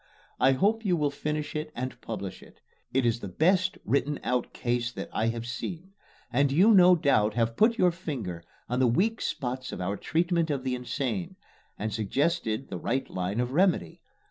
I hope you will finish it and publish it. It is the best written out "case" that I have seen; and you no doubt have put your finger on the weak spots of our treatment of the insane, and suggested the right line of remedy.